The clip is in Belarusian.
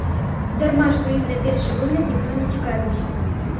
Дарма што ім на першы выгляд ніхто не цікавіўся.